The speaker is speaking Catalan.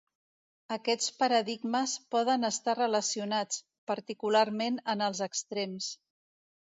Aquests paradigmes poden estar relacionats, particularment en els extrems.